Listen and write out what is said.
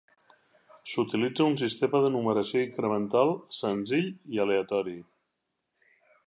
S'utilitza un sistema de numeració incremental senzill i aleatori.